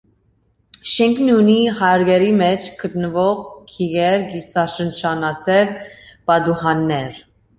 Շենքն ունի հարկերի մեջ գտնվող քիվեր, կիսաշրջանաձև պատուհաններ։